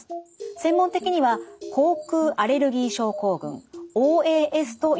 専門的には口腔アレルギー症候群ＯＡＳと呼ばれています。